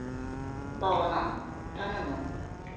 Бауынан таныным...